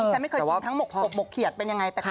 ฉันไม่เคยกินทั้งหมกบกเขียดเป็นยังไง